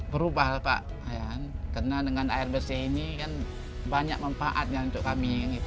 berubah pak karena dengan air bersih ini kan banyak manfaatnya untuk kami